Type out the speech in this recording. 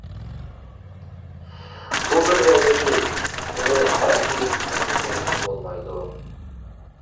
بۇ بىر رەزىللىك، بۇنى ھەرگىز ئەپۇ قىلىشقا بولمايدۇ.